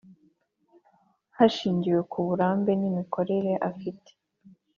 hashingiwe ku burambe n imikorere afite